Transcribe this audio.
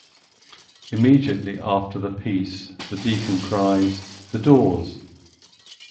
Immediately after the peace, the deacon cries The doors!